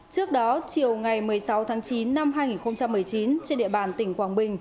trước đó chiều ngày một mươi sáu tháng chín năm hai nghìn một mươi chín trên địa bàn tỉnh quảng bình